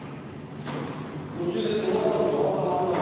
途中で止まったら止まったまんまなんだ。